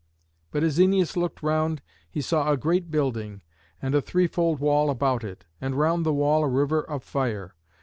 But as Æneas looked round he saw a great building, and a three fold wall about it, and round the wall a river of fire.